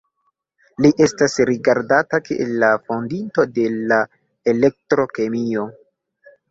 Li estas rigardata kiel la fondinto de la elektro-kemio.